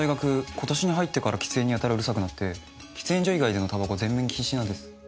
今年に入ってから喫煙にやたらうるさくなって喫煙所以外での煙草は全面禁止なんです。